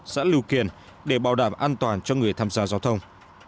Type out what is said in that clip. xã lưu kiền để bảo đảm an toàn cho người tham gia giao thông